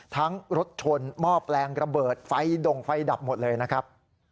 ทั้งรถชนมอบแรงระเบิดไฟด่งไฟดับหมดเลยนะครับ